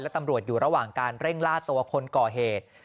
และตำรวจอยู่ระหว่างการเร่งล่าตัวคนก่อเหตุ